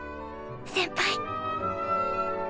先輩